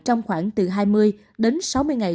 trong khoảng từ hai mươi đến sáu mươi ngày